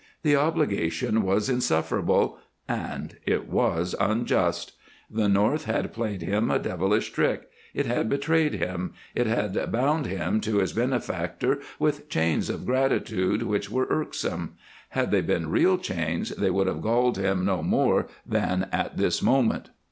The obligation was insufferable, and it was unjust. The North had played him a devilish trick, it had betrayed him, it had bound him to his benefactor with chains of gratitude which were irksome. Had they been real chains they could have galled him no more than at this moment.